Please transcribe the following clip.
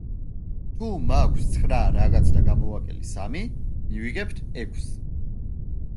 თუ მაქვს ცხრა რაღაც და გამოვაკელი სამი, მივიღებთ ექვს.